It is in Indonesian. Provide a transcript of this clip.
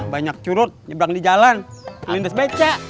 banyak curut nyebrang di jalan lintas beca